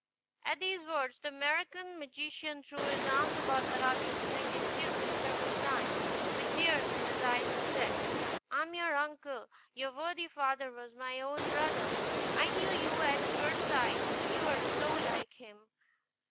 At these words the African magician threw his arms about Aladdin's neck, and kissed him several times, with tears in his eyes, and said, "I am your uncle. Your worthy father was my own brother. I knew you at first sight; you are so like him."